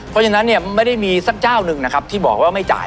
เพราะฉะนั้นเนี่ยไม่ได้มีสักเจ้าหนึ่งนะครับที่บอกว่าไม่จ่าย